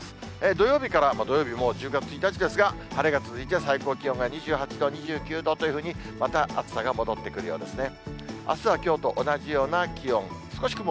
土曜日から、もう土曜日もう１０月１日ですが、晴れが続いて、最高気温が２８度、２９度というふうに、また暑さが戻ってくるようですね。